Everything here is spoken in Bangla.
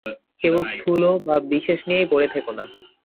কেবল স্থূল বা বিশেষ নিয়েই পড়ে থেকো না।